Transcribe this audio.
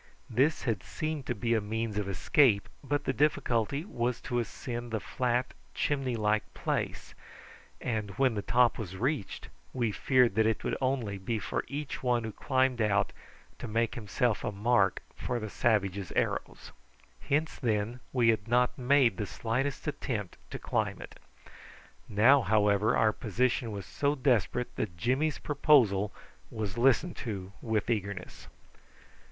This had seemed to be a means of escape, but the difficulty was to ascend the flat chimney like place, and when the top was reached we feared that it would only be for each one who climbed out to make himself a mark for the savages' arrows. Hence, then, we had not made the slightest attempt to climb it. Now, however, our position was so desperate that Jimmy's proposal was listened to with eagerness.